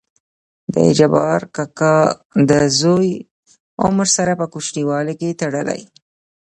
دجبار کاکا دزوى عمر سره په کوچينوالي کې تړلى.